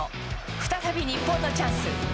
再び日本のチャンス。